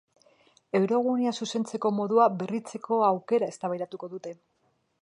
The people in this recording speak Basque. Eurogunea zuzentzeko modua berritzeko aukera eztabaidatuko dute.